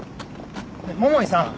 桃井さん。